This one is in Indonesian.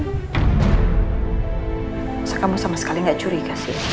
nggak kamu sama sekali gak curiga sih